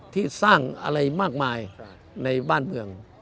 ที่สร้างอะไรมากมายในบ้านเมือง